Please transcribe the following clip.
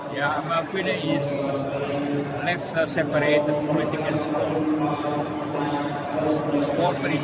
ya saya pikir itu adalah sport yang tidak terpisah sport yang sangat penting